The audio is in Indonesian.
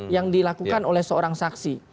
yang dilakukan oleh seorang saksi